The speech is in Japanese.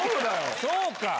そうか。